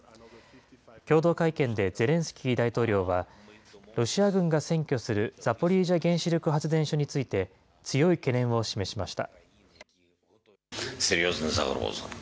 共同会見でゼレンスキー大統領はロシア軍が占拠するザポリージャ原子力発電所について、強い懸念を示しました。